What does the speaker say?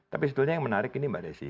tapi sebetulnya yang menarik ini mbak desi